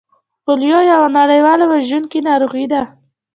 پولیو یوه نړیواله وژونکې ناروغي ده